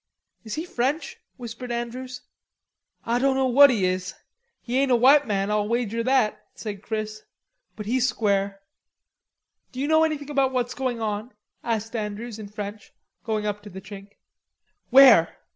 "Is he French?" whispered Andrews. "Ah doan know what he is. He ain't a white man, Ah'll wager that," said Chris, "but he's square." "D'you know anything about what's going on?" asked Andrews in French, going up to the Chink. "Where?"